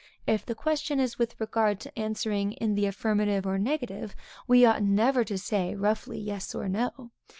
If the question is with regard to answering in the affirmative or negative, we ought never to say roughly yes or no.